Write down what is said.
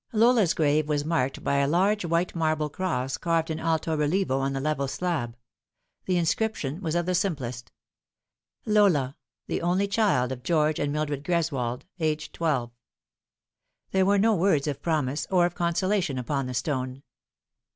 Lola's grave was marked by a large white marble cross, carved in alto relievo on the level slab. The inscription was of the simplest :" Laura, the only child of George and Mildred Greswold, aged twelve." There were no words of promise or of consolation upon the stone.